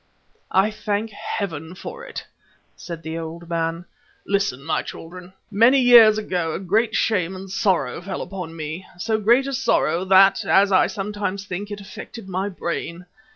"I thank Heaven for it," said the old man. "Listen, my children. Many years ago a great shame and sorrow fell upon me, so great a sorrow that, as I sometimes think, it affected my brain.